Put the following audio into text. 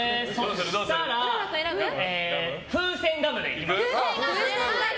そうしたら風船ガムでいきます。